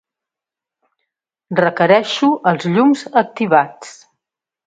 Requereixo els llums activats.